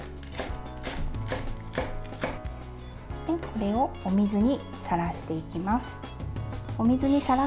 これをお水にさらしていきます。